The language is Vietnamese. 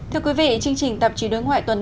thưa quý vị chương trình tập trí đối ngoại